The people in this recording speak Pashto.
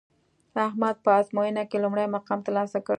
احمد په ازموینه کې لومړی مقام ترلاسه کړ